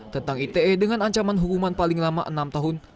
tentang ite dengan ancaman hukuman paling lama enam tahun